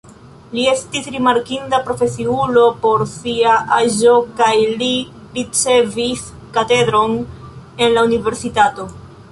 Li estis rimarkinda profesiulo por sia aĝo kaj li ricevis katedron en la universitato.